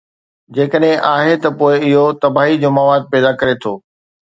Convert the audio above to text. جيڪڏهن آهي، ته پوءِ اهو تباهي جو مواد پيدا ڪري ٿو.